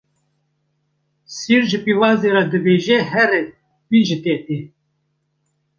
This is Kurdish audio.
Sîr ji pîvazê re dibêje here bêhn ji te tê.